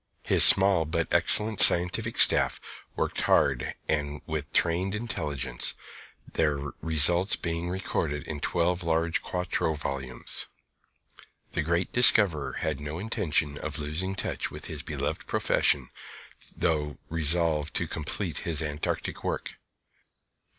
His small but excellent scientific staff worked hard and with trained intelligence, their results being recorded in twelve large quarto volumes. The great discoverer had no intention of losing touch with his beloved profession though resolved to complete his Antarctic work.